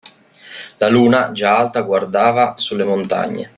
La luna già alta guardava sulle montagne.